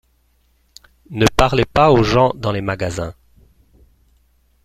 Ne parlez pas aux gens dans les magasins.